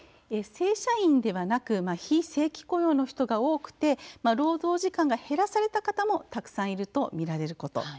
正社員ではなく非正規雇用の人が多く労働時間を減らされた方もたくさんいるとみられること。